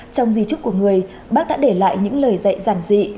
trong di trúc của người bác đã để lại những lời dạy giản dị